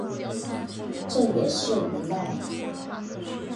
这也是无奈